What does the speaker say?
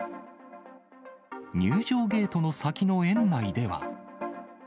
入場ゲートの先の園内では。